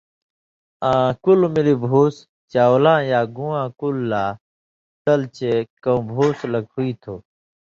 آں کُلہۡ مِلیۡ بُھوس (چاؤلاں یا گُون٘واں کُلہۡ لا تل چے کؤں بُھوس لک ہُوئ تُھو)،